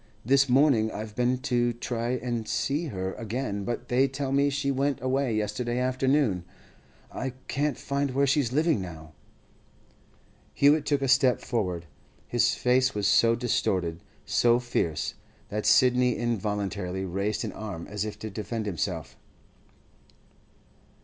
This morning I've been to try and see her again, but they tell me she went away yesterday afternoon. I can't find where she's living now.' Hewett took a step forward. His face was so distorted, so fierce, that Sidney involuntarily raised an arm, as if to defend himself.